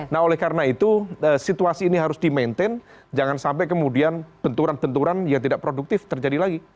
nah oleh karena itu situasi ini harus di maintain jangan sampai kemudian benturan benturan yang tidak produktif terjadi lagi